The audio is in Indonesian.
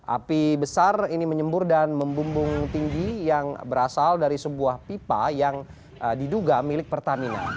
api besar ini menyembur dan membumbung tinggi yang berasal dari sebuah pipa yang diduga milik pertamina